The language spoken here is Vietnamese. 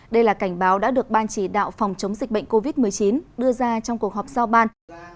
đây là cảnh báo đã được ban chỉ đạo phòng chống dịch bệnh covid một mươi chín đưa ra trong cuộc họp giao ban